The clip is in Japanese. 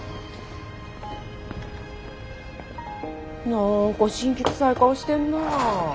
何か辛気くさい顔してんなあ。